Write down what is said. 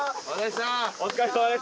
お疲れさまです。